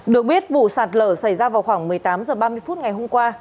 được biết vụ sạt lở xảy ra vào khoảng một mươi tám h ba mươi phút ngày hôm qua